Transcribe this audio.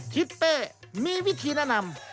ทิศเป้มีวิธีแนะนำ